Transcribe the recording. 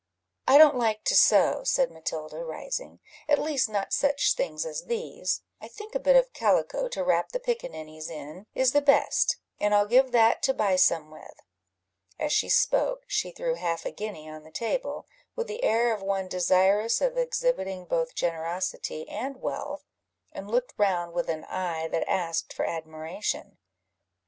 "I don't like to sew," said Matilda, rising; "at least not such things as these: I think a bit of calico to wrap the pickaninnies in is the best, and I'll give that to buy some with." As she spoke she threw half a guinea on the table, with the air of one desirous of exhibiting both generosity and wealth, and looked round with an eye that asked for admiration.